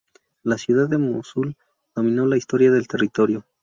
La ciudad de Mosul dominó la historia del territorio.